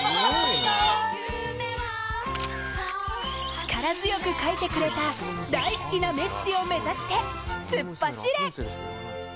力強く書いてくれた大好きなメッシを目指して突っ走れ！